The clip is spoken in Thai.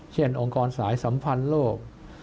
องค์กรสายสัมพันธ์โลก